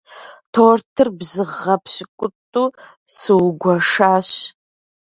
Тортыр бзыгъэ пщыкӏутӏу сыугуэшащ.